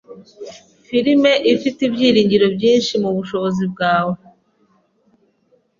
Firime ifite ibyiringiro byinshi mubushobozi bwawe.